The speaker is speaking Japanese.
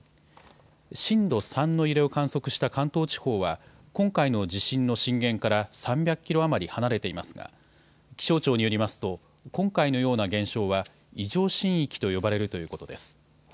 震度３の揺れを観測した関東地方は今回の地震の震源から３００キロ余り離れていますが気象庁によりますと今回のような現象は異常震域と呼ばれるということです。